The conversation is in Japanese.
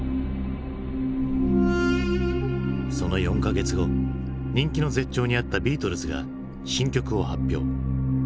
その４か月後人気の絶頂にあったビートルズが新曲を発表。